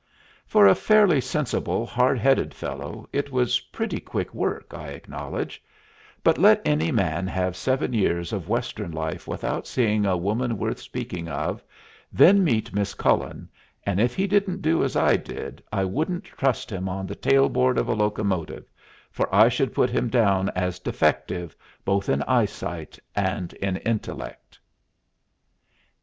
For a fairly sensible, hard headed fellow it was pretty quick work, I acknowledge; but let any man have seven years of Western life without seeing a woman worth speaking of, and then meet Miss Cullen, and if he didn't do as I did, I wouldn't trust him on the tail board of a locomotive, for I should put him down as defective both in eyesight and in intellect.